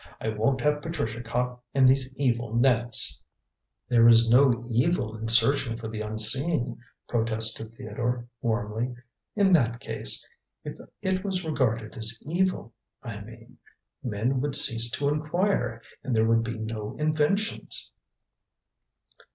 I won't have Patricia caught in these evil nets." "There is no evil in searching for the Unseen," protested Theodore warmly. "In that case if it was regarded as evil, I mean men would cease to inquire and there would be no inventions."